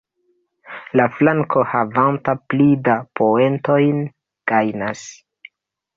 La flanko, havanta pli da poentojn, gajnas.